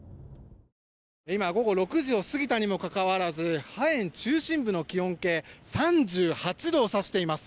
今、午後６時を過ぎたにもかかわらずハエン中心部の気温計３８度を指しています。